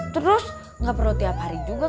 terus nggak perlu tiap hari juga